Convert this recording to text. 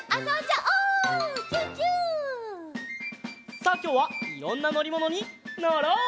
さあきょうはいろんなのりものにのろう！